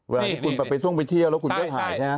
เวลาที่คุณไปท่องไปเที่ยวแล้วคุณก็หายใช่ไหม